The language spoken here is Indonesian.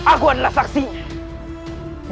aku adalah saksinya